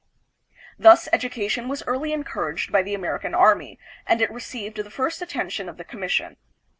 Thus, education was early encouraged by the American army, and it received the first attention of the commission.